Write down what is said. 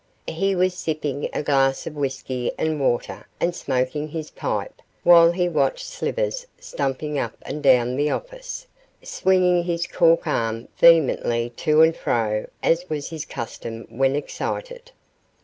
He was sipping a glass of whisky and water and smoking his pipe, while he watched Slivers stumping up and down the office, swinging his cork arm vehemently to and fro as was his custom when excited.